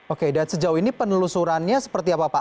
oke dan sejauh ini penelusurannya seperti apa pak